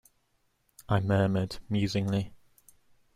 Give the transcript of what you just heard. I murmured musingly.